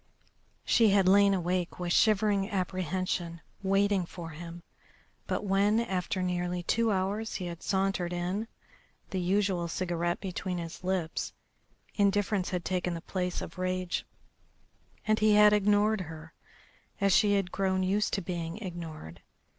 She had lain awake with shivering apprehension waiting for him, but when, after nearly two hours, he had sauntered in, the usual cigarette between his lips, indifference had taken the place of rage, and he had ignored her, as she had grown used to being ignored.